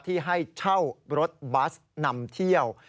ที่ให้เช่ารถบัสนำเที่ยว